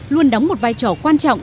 luôn đóng một vai trò quan trọng